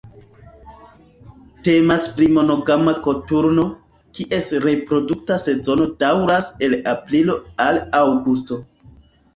Temas pri monogama koturno, kies reprodukta sezono daŭras el aprilo al aŭgusto.